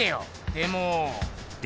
でも？